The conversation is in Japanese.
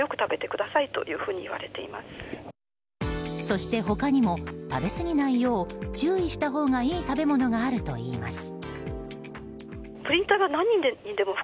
そして他にも食べ過ぎないよう注意したほうがいい食べ物があるといいます。